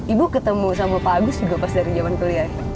ibu ketemu sama pak agus juga pas dari zaman kuliah